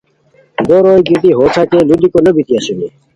بو روئے گیتی ہو ݯاکے لودیکو نوبیتی اسونی